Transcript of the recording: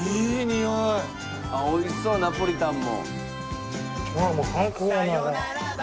おいしそうナポリタンも。